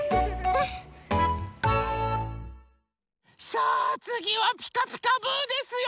さあつぎは「ピカピカブ！」ですよ。